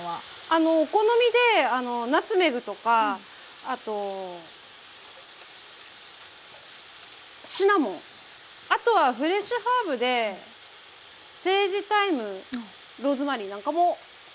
あのお好みでナツメグとかあとシナモンあとはフレッシュハーブでセージタイムローズマリーなんかも合いますね。